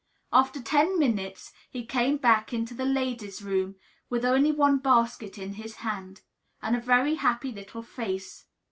After ten minutes he came back into the Ladies' Room, with only one basket in his hand, and a very happy little face.